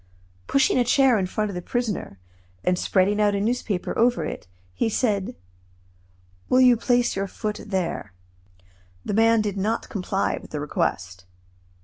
Pushing a chair in front of the prisoner, and spreading a newspaper over it, he said: "Will you place your foot there?" The man did not comply with the request.